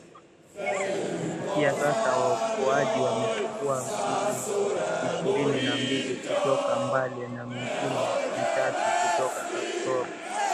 Kufikia sasa waokoaji wamechukua miili ishirini na mbili kutoka Mbale na mingine mitatu kutoka Kapchorwa